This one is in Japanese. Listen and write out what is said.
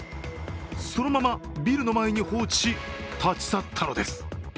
そのままビルの前に放置し、立ち去ったのです。